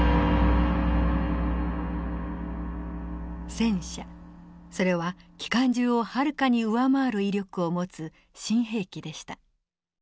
戦車それは機関銃をはるかに上回る威力を持つ新兵器でした。